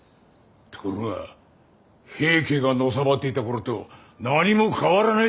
ところが平家がのさばっていた頃と何も変わらないじゃねえか。